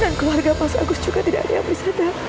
dan keluarga mas agus juga tidak ada yang bisa datang